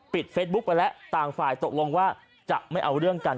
เฟซบุ๊กไปแล้วต่างฝ่ายตกลงว่าจะไม่เอาเรื่องกัน